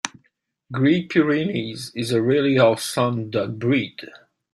Great Pyrenees is a really awesome dog breed.